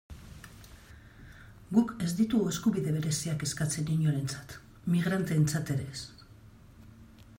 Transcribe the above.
Guk ez ditugu eskubide bereziak eskatzen inorentzat, migranteentzat ere ez.